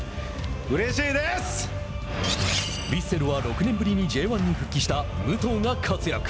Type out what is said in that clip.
ヴィッセルは６年ぶりにＪ１に復帰した武藤が活躍。